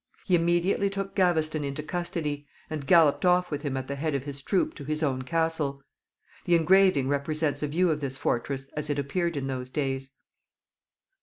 He immediately took Gaveston into custody, and galloped off with him at the head of his troop to his own castle. The engraving represents a view of this fortress as it appeared in those days.